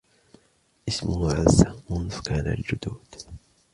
إسمه عـزّه منذ كان الجدود